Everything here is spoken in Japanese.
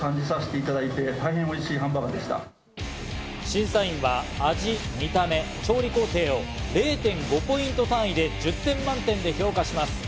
審査員は味、見た目、調理工程を０．５ポイント単位で１０点満点で評価します。